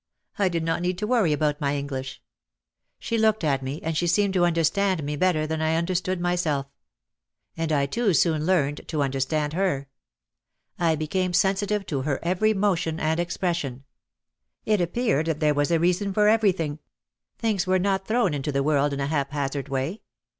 I did not need to worry about my English. She looked at me, and she seemed to under stand me better than I understood myself. And I too OUT OF THE SHADOW 281 soon learned to understand her. I became sensitive to her every motion and expression. It appeared that there was a reason for everything. Things were not thrown into the world in a haphazard way.